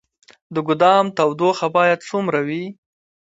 د ګدام تودوخه باید څومره وي؟